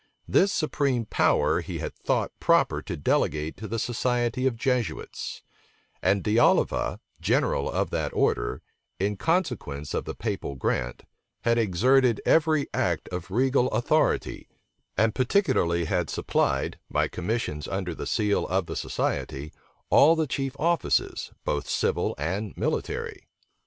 This supreme power he had thought proper to delegate to the society of Jesuits; and De Oliva, general of that order, in consequence of the papal grant, had exerted every act of regal authority, and particularly had supplied, by commissions under the seal of the society, all the chief offices, both civil and military.